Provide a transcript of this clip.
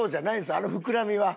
あの膨らみは。